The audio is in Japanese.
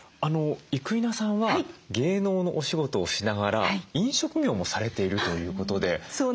生稲さんは芸能のお仕事をしながら飲食業もされているということで。